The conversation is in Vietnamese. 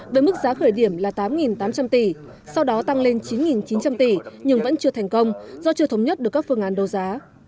với mức giá khởi điểm là tám tám trăm linh tỷ sau đó tăng lên chín chín trăm linh tỷ nhưng vẫn chưa thành công do chưa thống nhất được các phương án đấu giá